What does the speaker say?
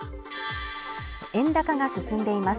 円高が進んでいます。